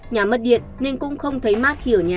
nhà mất điện nên cũng không thấy mát khi ở nhà